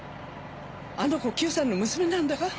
あの子久さんの娘なんだか？